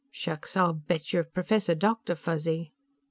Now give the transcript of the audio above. Shucks, I'll bet you're Professor Doctor Fuzzy."